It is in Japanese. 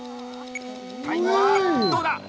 タイムは、どうだ！